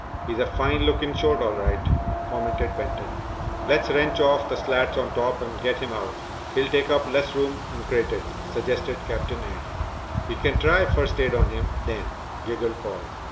"He's a fine looking shoat, all right," commented Benton. "Let's wrench off the slats on top and get him out He'll take up less room uncrated," suggested Captain Ed. "We can try 'first aid' on him, then," giggled Paul.